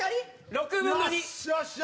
６分の２！